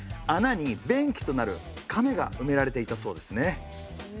穴に便器となるかめが埋められていたそうですね。